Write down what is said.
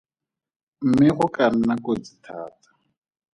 Mme go ka nna kotsi thata.